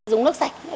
dùng nước sạch